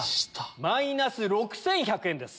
マイナス６１００円です。